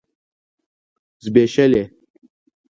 ځبيښلي